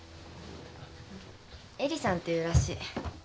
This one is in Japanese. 恵理さんっていうらしい。